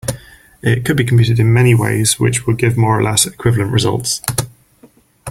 It could be computed in many ways which would give more or less equivalent results.